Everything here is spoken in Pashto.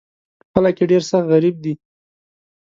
خلک یې ډېر سخت غریب دي.